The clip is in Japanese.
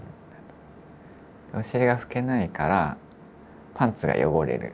お尻が拭けないからパンツが汚れる。